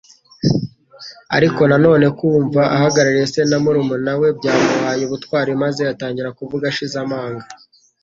Ariko na none kumva ko ahagarariye se na murumuna we byamuhaye ubutwari, maze atangira kuvuga ashize amanga.